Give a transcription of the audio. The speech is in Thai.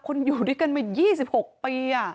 คนอยู่ด้วยกันมา๒๖ปีอ่ะ